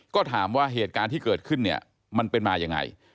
ก็ถามว่าเหตุการณ์ที่เกิดขึ้นเนี่ยมันเป็นมายังไง